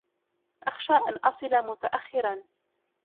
أخشى أن أصل متأخرا.